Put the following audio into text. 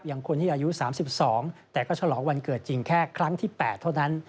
คนที่อายุ๓๒แต่ก็ฉลองวันเกิดจริงแค่ครั้งที่๘เท่านั้น